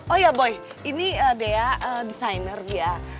oh ya boy ini dea designer ya